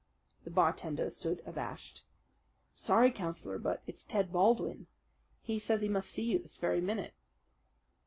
The bartender stood abashed. "I'm sorry, Councillor, but it's Ted Baldwin. He says he must see you this very minute."